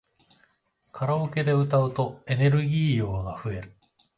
カラオケで歌うとエネルギー量が増える